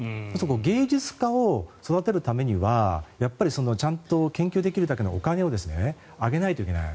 芸術家を育てるためにはやっぱりちゃんと研究できるだけのお金をあげないといけない。